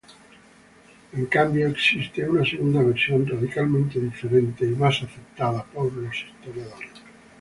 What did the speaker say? En cambio, existe una segunda versión radicalmente diferente y más aceptada por los historiadores.